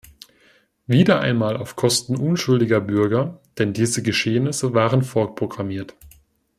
Wieder einmal auf Kosten unschuldiger Bürger, denn diese Geschehnisse waren vorprogrammiert.